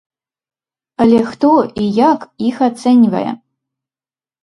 Але хто і як іх ацэньвае?